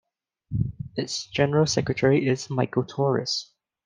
Its general secretary is Michel Thooris.